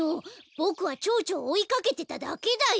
ボクはチョウチョをおいかけてただけだよ。